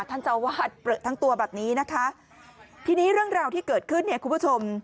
ท่านเจ้าวาดเปลือทั้งตัวแบบนี้นะคะทีนี้เรื่องราวที่เกิดขึ้นเนี่ยคุณผู้ชม